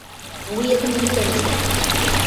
Вуетӹм ит ӹрзӹ.